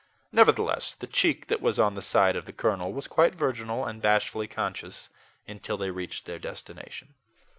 Nevertheless, the cheek that was on the side of the colonel was quite virginal and bashfully conscious until they reached their destination.